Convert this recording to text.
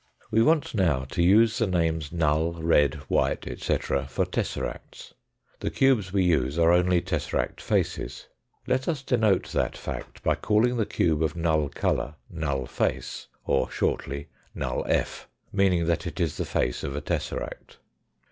We want now to use the names null, red, white, etc., for tesseracts. The cubes we use are only tesseract faces. Let us denote that fact by calling the cube of null colour, null face ; or, shortly, null f., meaning that it is the face of a tesseract.